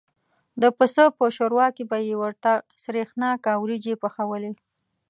د پسه په شوروا کې به یې ورته سرېښناکه وریجې پخوالې.